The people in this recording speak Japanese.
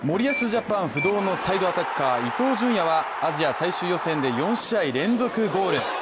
ジャパン不動のサイドアタッカー伊東純也はアジア最終予選で４試合連続ゴール。